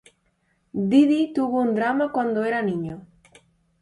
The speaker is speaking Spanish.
Didí tuvo un drama cuando era niño.